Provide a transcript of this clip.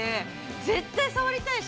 絶対触りたいし。